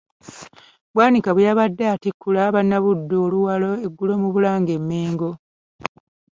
Bwanika, bwe yabadde atikkula Bannabuddu oluwalo eggulo mu Bulange e Mmengo.